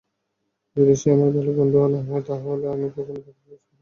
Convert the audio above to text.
যদি সে আমার ভালো বন্ধু না হয় তাহলে আমি কখনোই তাকে ভালোবাসতে পারবো না।